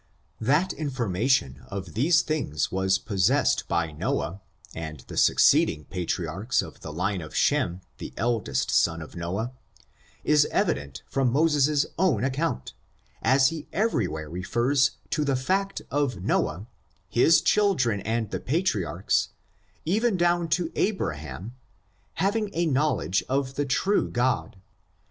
That information of all these things was possessed '^M^*^h^h^lM^k^fe^^^^%^^*^^W^% 36 ORIGIN, CHARACTER, AND ', I by Noah, and the succeeding Patriarchs of the line of Shenij the eldest son of Noah, is evident from Mo ses's own account, as he everjrwhere refers to the fact of Noah, his children and the Patriarchs, even down to Abraham, having a knowledge of the true God.